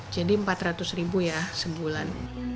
jadi empat ratus ya sebulan